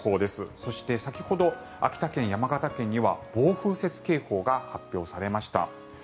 そして、先ほど秋田県、山形県には暴風雪警報が発表されました。